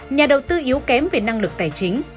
nhà đầu tư yếu kém về năng lực tài chính